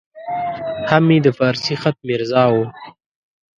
هم یې د فارسي خط میرزا وو.